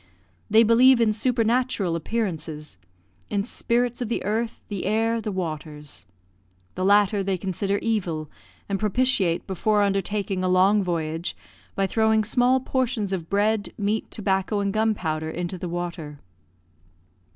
They believe in supernatural appearances in spirits of the earth, the air, the waters. The latter they consider evil, and propitiate before undertaking a long voyage, by throwing small portions of bread, meat, tobacco, and gunpowder into the water.